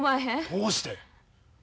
どうして？